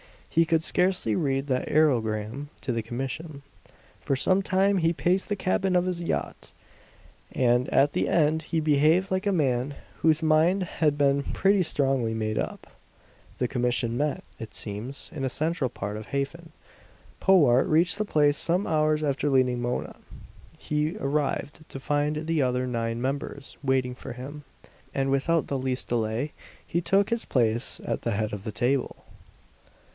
He could scarcely read that aerogram to the commission. For some time he paced the cabin of his yacht, and at the end he behaved like a man whose mind had been pretty strongly made up. The commission met, it seems, in a central part of Hafen. Powart reached the place some hours after leaving Mona. He arrived to find the other nine members waiting for him; and without the least delay he took his place at the head of the table.